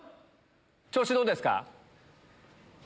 調子どうですか？